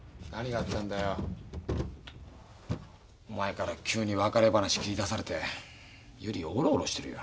お前から急に別れ話切り出されて由理おろおろしてるよ。